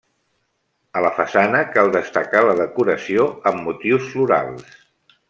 A la façana cal destacar la decoració amb motius florals.